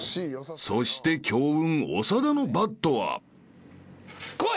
［そして強運長田のバットは］来い！